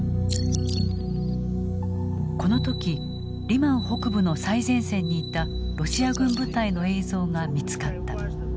この時リマン北部の最前線にいたロシア軍部隊の映像が見つかった。